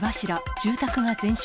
住宅が全焼。